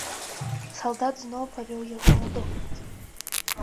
Салдат зноў павёў яго на допыт.